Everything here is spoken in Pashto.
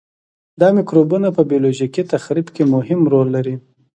دا مکروبونه په بیولوژیکي تخریب کې مهم رول لري.